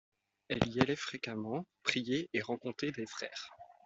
Elle y allait fréquemment prier et rencontrer des frères.